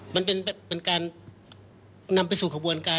มันเป็นการนำไปสู่ขบวนการ